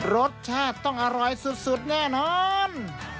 รสชาติต้องอร่อยสุดแน่นอน